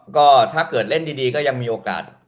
ก็ถ้าเกิดเล่นดีก็ยังมีโอกาส